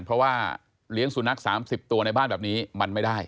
เพราะว่าเลี้ยงสุนัข๓๐ตัวในบ้านแบบนี้มันไม่ได้